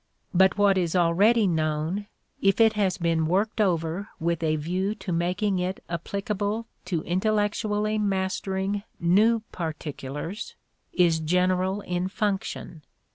But what is already known, if it has been worked over with a view to making it applicable to intellectually mastering new particulars, is general in function.